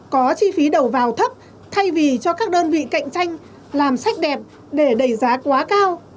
có chi phí đầu vào thấp thay vì cho các đơn vị cạnh tranh làm sách đẹp để đẩy giá quá cao